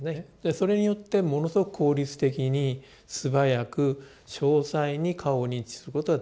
それによってものすごく効率的に素早く詳細に顔を認知することができると。